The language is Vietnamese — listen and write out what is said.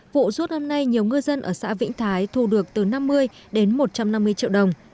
vụ rút năm nay nhiều ngư dân ở xã vĩnh thái thu được từ năm mươi đến một trăm năm mươi triệu đồng